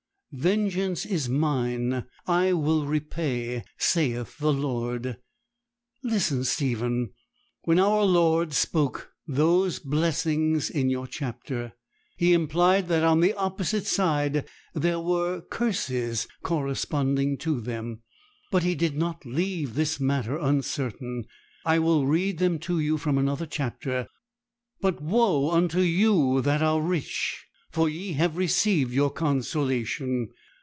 '"Vengeance is mine; I will repay, saith the Lord." Listen, Stephen: when our Lord spoke those "blessings" in your chapter, He implied that on the opposite side there were curses corresponding to them. But He did not leave this matter uncertain; I will read them to you from another chapter: "But woe unto you that are rich! for ye have received your consolation.